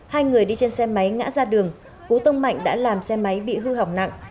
hai người đi trên xe máy ngã ra đường cú tông mạnh đã làm xe máy bị hư hỏng nặng